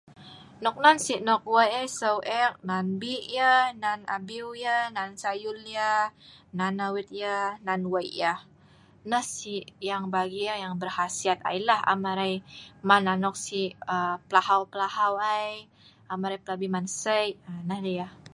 nok nan sik nok weik ai seu ek nan bi' yeh nan abiu yeh nan sayur yeh nan awit yeh nan weik yeh neh sik yang bagi ek yang berkhasiat ai lah am arai man anok sik err plahau plahau ai am arai plabi man siek aa neh lah yeh